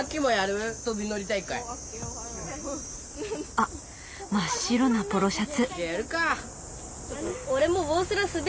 あっ真っ白なポロシャツ。